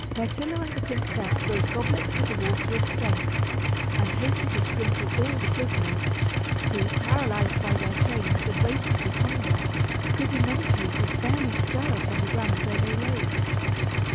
Myrtillo and the princess filled goblets with the water of strength, and hastened to sprinkle all the prisoners, who, paralyzed by their chains and wasted with hunger, could in many cases barely stir upon the ground where they lay.